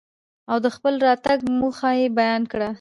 او دخپل راتګ موخه يې بيان کره.